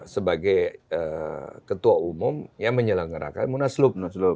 sebagai ketua umum yang menyelenggarakan munaslup